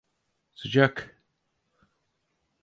Sıcak.